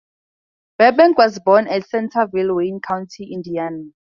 Burbank was born at Centerville, Wayne County, Indiana.